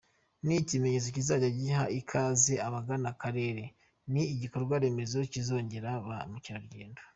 Ni ikimenyetso kizajya giha ikaze abagana akarere, ni igikorwa remezo kizongera ba mukerarugendo.